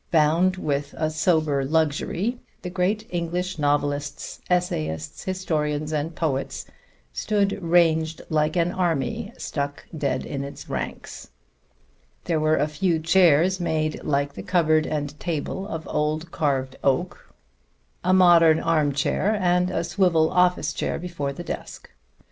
Bound with a sober luxury, the great English novelists, essayists, historians and poets stood ranged like an army struck dead in its ranks. There were a few chairs made, like the cupboard and table, of old carved oak; a modern arm chair and a swivel office chair before the desk.